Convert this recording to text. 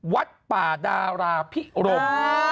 วัดป่าดาราพิรม